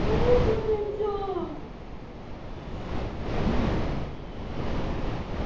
フーム。